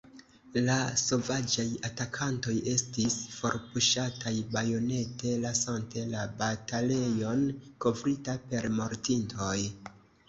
La sovaĝaj atakantoj estis forpuŝataj bajonete, lasante la batalejon kovrita per mortintoj.